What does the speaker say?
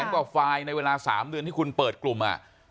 กว่าไฟล์ในเวลา๓เดือนที่คุณเปิดกลุ่ม